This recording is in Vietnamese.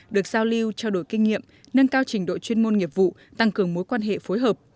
được giao lưu trao đổi kinh nghiệm nâng cao trình độ chuyên môn nghiệp vụ tăng cường mối quan hệ phối hợp